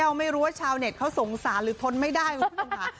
เพราะไม่รู้ว่าชาวเน็ตเขาสงสารหรือทนไม่ได้ค่ะ